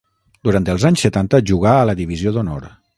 Durant els anys setanta jugà a la divisió d'honor.